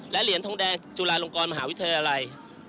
และเหรียญทองแดงจุฬาลงกรมหาวิทยาลัย